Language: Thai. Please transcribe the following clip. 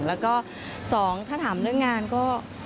แล้วก็๒ถ้าถามเรื่องงานก็